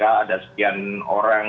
ada sekian orang